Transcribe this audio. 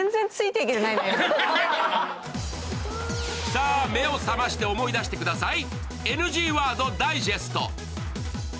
さあ、目を覚まして思い出してください。